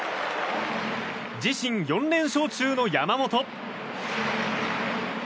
自身４連勝中の山本。